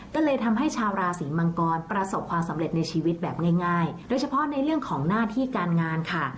ก็เลยทำให้ชาวราศีมังกรประสบความสำเร็จในชีวิตแบบง่ายโดยเฉพาะในเรื่องของหน้าที่การงานค่ะ